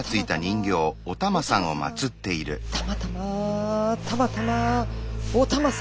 たまたまたまたまお玉様。